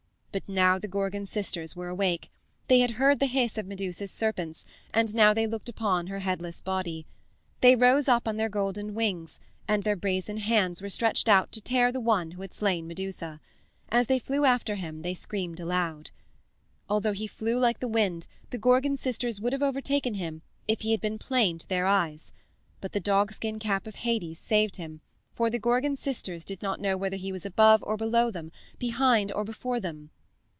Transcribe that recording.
But now the Gorgon sisters were awake. They had heard the hiss of Medusa's serpents, and now they looked upon her headless body. They rose up on their golden wings, and their brazen hands were stretched out to tear the one who had slain Medusa. As they flew after him they screamed aloud. Although he flew like the wind the Gorgon sisters would have overtaken him if he had been plain to their eyes. But the dogskin cap of Hades saved him, for the Gorgon sisters did not know whether he was above or below them, behind or before them.